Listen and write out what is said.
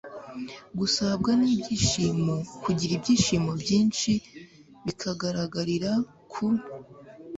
gusabwa n'ibyishimo kugira ibyishimo byinshi bikagaragarira ku